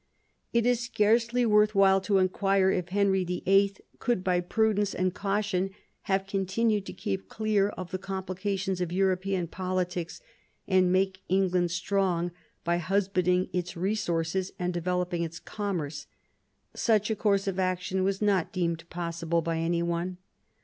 It is scarcely worth while to inquire if Henry VIIL could by prudence and caution have continued to keep clear of the complications of European politics, and make England strong by husbanding its resources and developing its commerce. Such a course of action was not deemed possible by any one.